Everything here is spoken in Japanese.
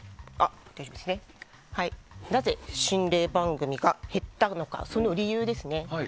なぜ心霊番組が減ったのかその理由ですね。